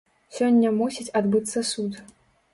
Сёння мусіць адбыцца суд.